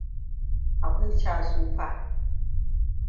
Akwai casu fa.